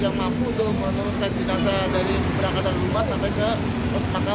namun bobot di penjelasan tersebut adalah hampir tiga ratus kg berarti kapital